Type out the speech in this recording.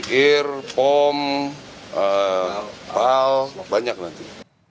ya dari ir pom pal banyak nanti